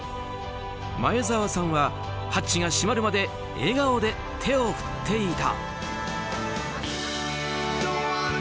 前澤さんはハッチが閉まるまで笑顔で手を振っていた。